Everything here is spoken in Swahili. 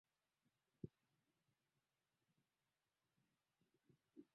aliyekuwa mkurugenzi wa sipitali moja nchini uingereza saida kame